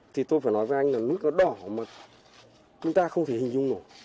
thì tôi phải nói với anh là nước nó đỏ mà chúng ta không thể hình dung nổi